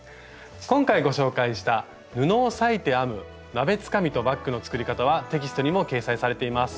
今回ご紹介した布を裂いて編む鍋つかみとバッグの作り方はテキストにも掲載されています。